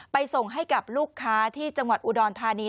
ส่งให้กับลูกค้าที่จังหวัดอุดรธานี